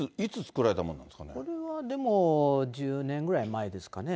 これはでも、１０年ぐらい前ですかね。